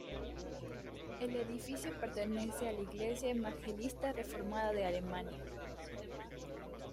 El edificio pertenece a la Iglesia Evangelista Reformada de Alemania.